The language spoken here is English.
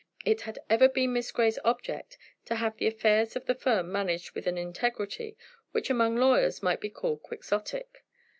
It had ever been Miss Grey's object to have the affairs of the firm managed with an integrity which among lawyers might be called Quixotic.